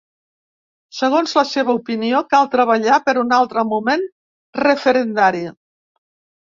Segons la seva opinió, cal treballar per un ‘altre moment referendari’.